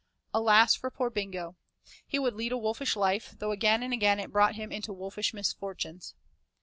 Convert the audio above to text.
Alas for poor Bingo! He would lead a wolfish life, though again and again it brought him into wolfish misfortunes.